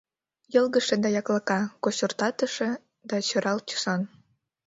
Йылгыжше да яклака, кочыртатыше да сӧрал тӱсан.